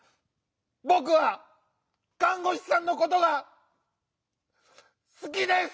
ぼくはかんごしさんのことがすきです！